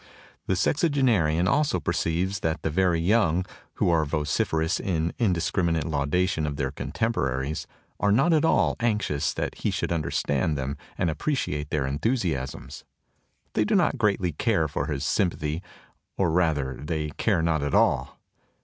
The sexagenarian also perceives that the very young, who are vociferous in indiscriminate lau dation of their contemporaries, are not at all anxious that he should understand them and appreciate their enthusiasms. They do not greatly care for his sympathy or rather they care not at all.